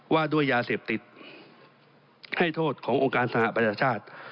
ว่าด้วยยาเสพติดให้โทษขององค์การสหประชาชาติ